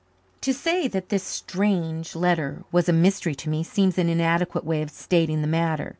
To say that this strange letter was a mystery to me seems an inadequate way of stating the matter.